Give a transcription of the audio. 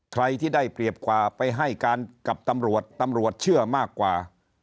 ใครที่ได้เปรียบกว่าไปให้การกับตำรวจตำรวจเชื่อมากกว่า